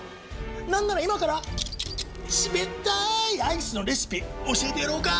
何なら今から冷たいアイスのレシピ教えてやろうか？